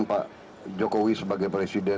pak jokowi sebagai presiden